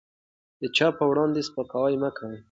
د چا په وړاندې سپکاوی مه کوئ.